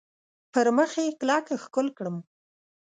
پر مخ یې کلک ښکل کړم .